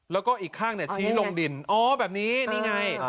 แล้วก็อีกข้างนั่นคือลงดินอันนี้ไง